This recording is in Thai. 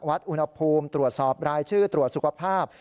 วัดอุณหภูมิตรวจสอบรายชื่อตรวจสุขภาพ